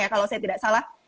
kalau saya tidak salah